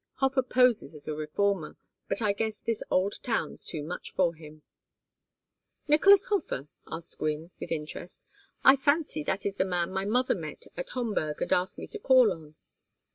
Hofer poses as a reformer, but I guess this old town's too much for him " "Nicolas Hofer?" asked Gwynne, with interest. "I fancy that is the man my mother met at Homburg and asked me to call on."